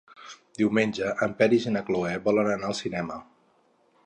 Diumenge en Peris i na Cloè volen anar al cinema.